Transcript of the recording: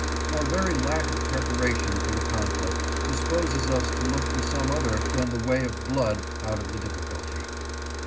Our very lack of preparation for the conflict disposes us to look for some other than the way of blood out of the difficulty.